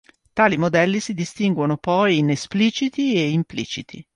Tali modelli si distinguono poi in "espliciti" e "impliciti".